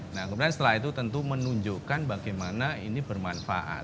nah kemudian setelah itu tentu menunjukkan bagaimana ini bermanfaat